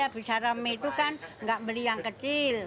bisa rame itu kan nggak beli yang kecil